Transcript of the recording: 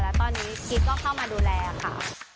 แล้วตอนนี้คิดก็เข้ามาดูแลค่ะ